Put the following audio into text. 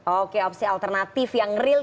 oke opsi alternatif yang real